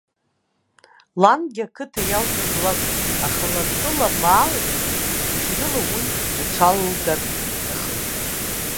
Лангьы ақыҭа иалҵыз лакәын, аха тәыла-маалагьы, зегьрыла уи лҽалылгар лҭахын.